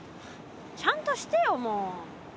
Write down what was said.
ちゃんとしてよもう。